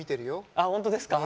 あっ本当ですか。